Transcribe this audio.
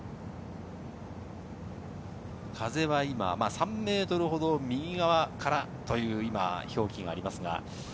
風は今、３メートルほど右側からという表記になります。